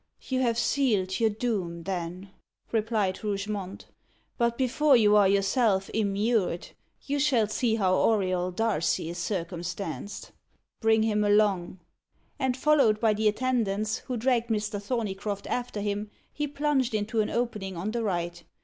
"You have sealed your doom, then," replied Rougemont. "But before you are yourself immured, you shall see how Auriol Darcy is circumstanced. Bring him along." And, followed by the attendants, who dragged Mr. Thorneycroft after him, he plunged into an opening on the right.